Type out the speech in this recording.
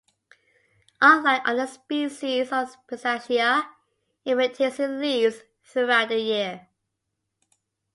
Unlike other species of "Pistacia", it retains its leaves throughout the year.